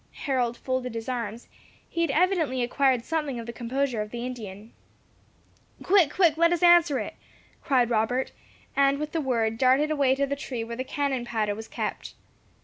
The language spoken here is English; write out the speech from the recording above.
Harold folded his arms he had evidently acquired something of the composure of the Indian. "Quick! quick! let us answer it!" cried Robert, and with the word darted away to the tree where the cannon powder was kept.